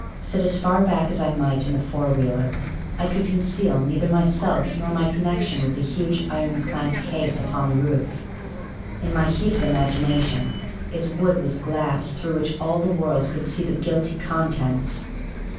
Sit as far back as I might in the four wheeler, I could conceal neither myself nor my connection with the huge iron clamped case upon the roof: in my heated imagination its wood was glass through which all the world could see the guilty contents.